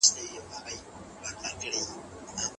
علمي پوهه د ټولني پرمختګ چټکوي.